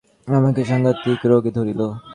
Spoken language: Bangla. তাহার পর, আজ বছর চারেক হইল আমাকে সাংঘাতিক রোগে ধরিল।